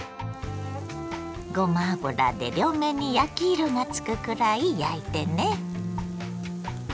ごま油で両面に焼き色がつくくらい焼いてね。